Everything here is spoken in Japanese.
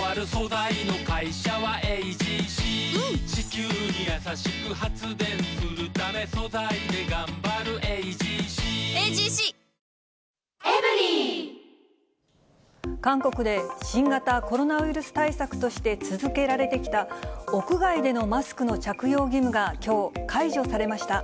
客足が遠のいている店も出ていて、韓国で新型コロナウイルス対策として続けられてきた、屋外でのマスクの着用義務がきょう、解除されました。